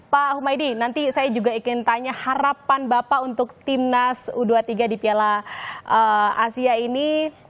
pak humaydi nanti saya juga ingin tanya harapan bapak untuk timnas u dua puluh tiga di piala asia ini